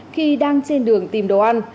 khi đang trên đường tìm đồ ăn